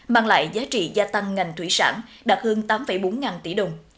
mang lại giá trị gia tăng ngành thủy sản đạt hơn tám bốn ngàn tỷ đồng